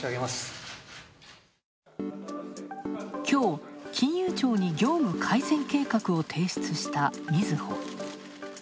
きょう金融庁に業務改善命令を提出したみずほ。